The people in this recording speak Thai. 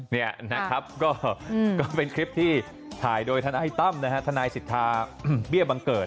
นี่นะครับก็เป็นคลิปที่ถ่ายโดยทนายตั้มนะฮะทนายสิทธาเบี้ยบังเกิด